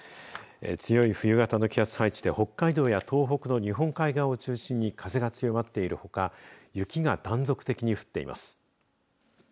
強い冬型の気圧配置で北海道や東北の日本海側を中心に風が強まっているほか雪が断続的に降っています。